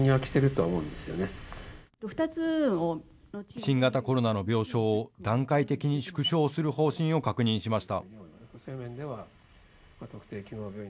新型コロナの病床を段階的に縮小する方針を確認しました。